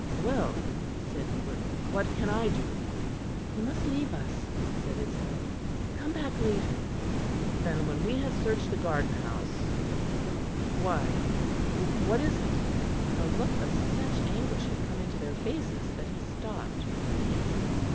"Well," said Hubert, "what can I do?" "You must leave us," said Isabel; "come back later." "Then when we have searched the garden house why, what is it?" A look of such anguish had come into their faces that he stopped amazed.